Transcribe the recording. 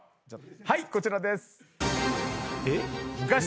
はいこちらです。